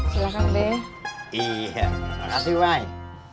silakan deh iya masih baik